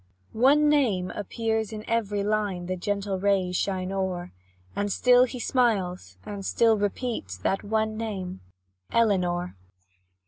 One name appears in every line The gentle rays shine o'er, And still he smiles and still repeats That one name Elinor.